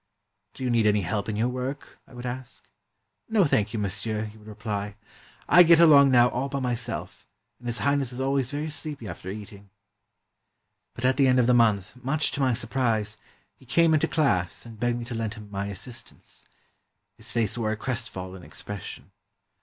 "Do you need any help in your work?" I would ask. "No, thank you, monsieur," he would reply. "I can get along now all by myself, and His Highness is always very sleepy after eating." But at the end of the month, much to my surprise, he came into class and begged me to lend him my assist ance. His face wore a crestfallen expression.